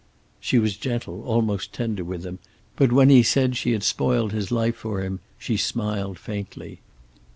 She was gentle, almost tender with him, but when he said she had spoiled his life for him she smiled faintly.